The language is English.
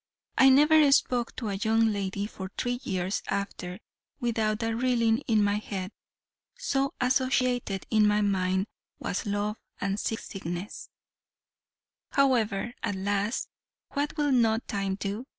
I never spoke to a young lady for three years after, without a reeling in my head, so associated in my mind was love and sea sickness. However, at last, what will not time do?